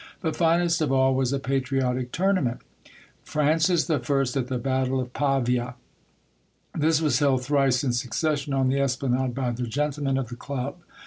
But finest of all was a patriotic tournament, 72 Mo7iday Tales, — Francis I. at the battle of Pavia. This was held thrice in succession on the Esplanade by the gentle men of the Club.